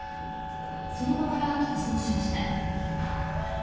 その場から逃走しました。